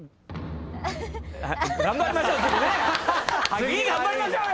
次頑張りましょうよ！